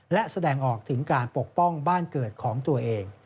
และแสดงออกถึงการปกป้องบ้านเกิดของตัวเอง